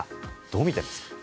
どう見ていますか。